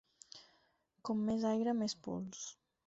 Com més aire, més pols.